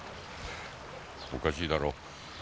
おかしいだろ？